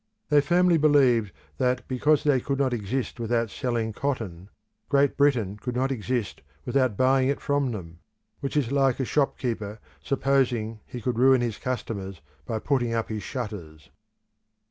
They firmly believed that, because they could not exist without selling cotton, Great Britain could not exist without buying it from them; which is like a shopkeeper supposing he could ruin his customers by putting up his shutters.